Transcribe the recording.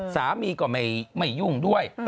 สามีก็ไม่ยุ่งด้วย